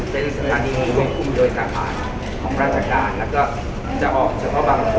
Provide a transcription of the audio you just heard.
พวกมันจัดสินค้าที่๑๙นาที